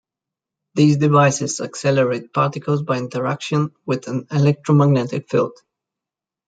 These devices accelerate particles by interaction with an electromagnetic field.